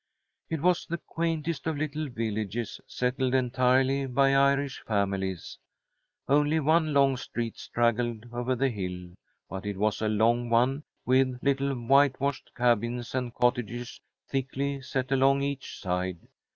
It was the quaintest of little villages, settled entirely by Irish families. Only one lone street straggled over the hill, but it was a long one with little whitewashed cabins and cottages thickly set along each side.